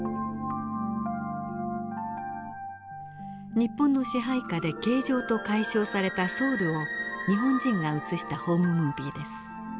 日本の支配下で京城と改称されたソウルを日本人が映したホームムービーです。